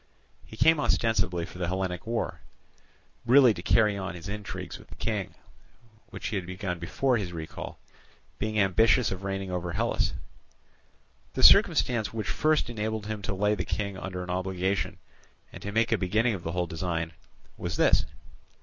He came ostensibly for the Hellenic war, really to carry on his intrigues with the King, which he had begun before his recall, being ambitious of reigning over Hellas. The circumstance which first enabled him to lay the King under an obligation, and to make a beginning of the whole design, was this.